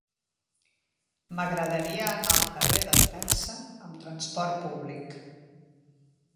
M'agradaria anar al carrer d'Entença amb trasport públic.